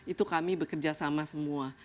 itu kami bekerja sama semua